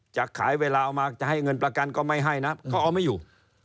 จะขายเวลาเอามาจะให้เงินประกันก็ไม่ให้นะเขาเอาไม่อยู่